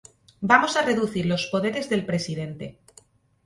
Vamos a reducir los poderes del presidente".